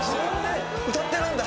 歌ってるんだ。